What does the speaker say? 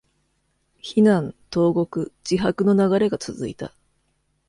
非難、投獄、自白の流れが続いた。